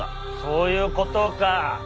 そういうことか。